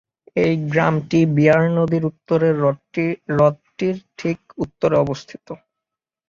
এই গ্রামটি বিয়ার নদীর উত্তরের হ্রদটির ঠিক উত্তরে অবস্থিত।